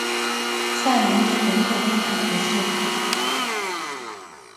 萨莱涅人口变化图示